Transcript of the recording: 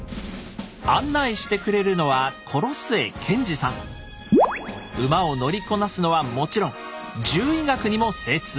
案内してくれるのは馬を乗りこなすのはもちろん獣医学にも精通。